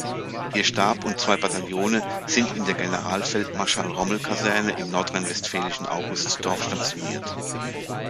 Ihr Stab und zwei Bataillone sind in der Generalfeldmarschall-Rommel-Kaserne im nordrhein-westfälischen Augustdorf stationiert.